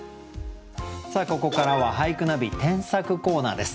ここからは「俳句ナビ添削コーナー」です。